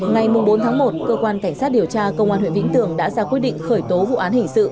ngày bốn tháng một cơ quan cảnh sát điều tra công an huyện vĩnh tường đã ra quyết định khởi tố vụ án hình sự